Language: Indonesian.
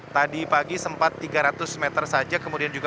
tadi pagi sempat tiga ratus meter saja